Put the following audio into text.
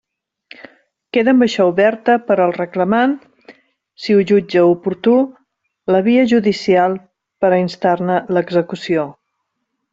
Queda amb això oberta per al reclamant, si ho jutja oportú, la via judicial per a instar-ne l'execució.